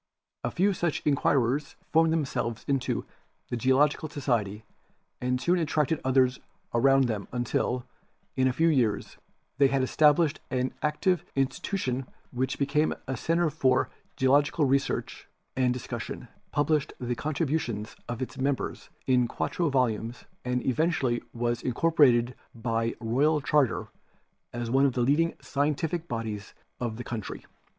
A few such inquirers formed themselves into the Geological Society and soon attracted others around them until, in a few years, they had estab lished an active institution which became a center for geological research and discussion, published the contribu tions of its members in quarto volumes and eventually was incorporated by royal charter as one of the leading scien tific bodies of the country.